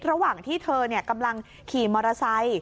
ระหว่างที่เธอกำลังขี่มอเตอร์ไซค์